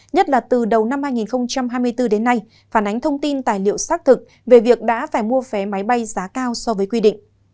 nhất là từ đầu năm hai nghìn hai mươi bốn đến nay phản ánh thông tin tài liệu xác thực về việc đã phải mua vé máy bay giá cao so với quy định